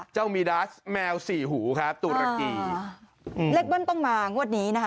เจ้ามีดาสแมวสี่หูครับตุรกีอืมเล็กเบิ้ลต้องมางวดนี้นะฮะ